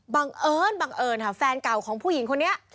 บังเอิญบังเอิญค่ะแฟนเก่าของผู้หญิงคนนี้